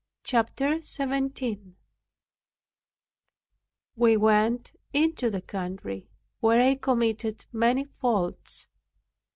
CHAPTER 17 We went into the country, where I committed many faults.